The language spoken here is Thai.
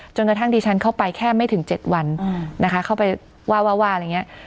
จนกระทั่งดิฉันเข้าไปแค่ไม่ถึง๗วันนะคะเข้าไปว่าว่าอะไรอย่างนี้